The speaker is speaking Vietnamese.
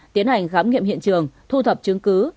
tiến hành khám nghiệm hiện trường thu thập chứng cứ